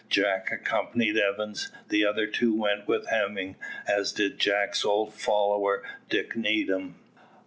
Jack accompanied Evans, the other two went with Hemming, as did Jack's old follower Dick Needham.